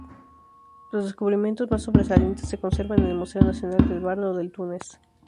Los descubrimientos más sobresalientes se conservan en el Museo Nacional del Bardo en Túnez.